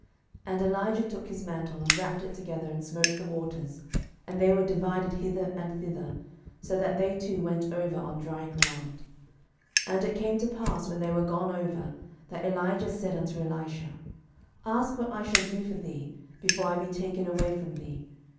12:002:008 And Elijah took his mantle, and wrapped it together, and smote the waters, and they were divided hither and thither, so that they two went over on dry ground. 12:002:009 And it came to pass, when they were gone over, that Elijah said unto Elisha, Ask what I shall do for thee, before I be taken away from thee.